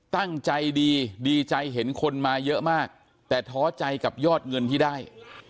ตั้งใจดีดีใจเห็นคนมาเยอะมากแต่ท้อใจกับยอดเงินที่ได้